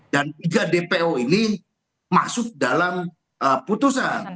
dan tiga dpo ini masuk dalam putusan